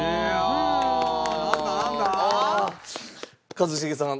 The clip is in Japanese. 一茂さん